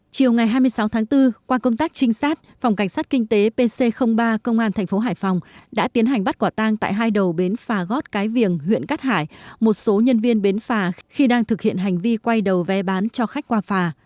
chiều ngày hai mươi sáu tháng bốn qua công tác trinh sát phòng cảnh sát kinh tế pc ba công an thành phố hải phòng đã tiến hành bắt quả tang tại hai đầu bến phà gót cái viềng huyện cát hải một số nhân viên bến phà khi đang thực hiện hành vi quay đầu vé bán cho khách qua phà